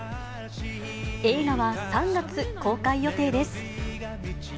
映画は３月公開予定です。